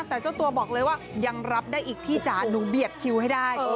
แต่เจ้าตัวบอกเลยว่ายังรับได้อีกพี่จ๋าหนูเบียดคิวให้ได้